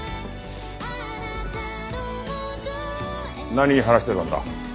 何話してたんだ？